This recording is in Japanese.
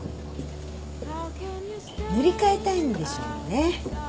塗り替えたいんでしょうね。